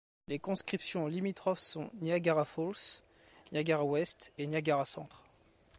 Les circonscriptions limitrophes sont Niagara Falls, Niagara-Ouest et Niagara-Centre.